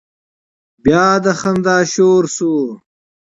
بيا د خندا شور شو.